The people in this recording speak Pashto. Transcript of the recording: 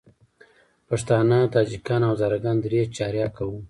پښتانه، تاجکان او هزاره ګان درې چارکه وو.